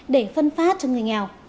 để phân phát cho người nghèo